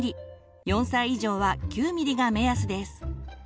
４歳以上は９ｍｍが目安です。